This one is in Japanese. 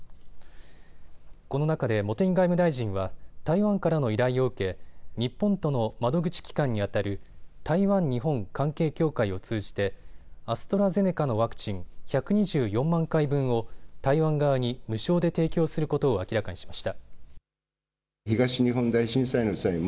この中で茂木外務大臣は台湾からの依頼を受け、日本との窓口機関にあたる台湾日本関係協会を通じてアストラゼネカのワクチン１２４万回分を台湾側に無償で提供することを明らかにしました。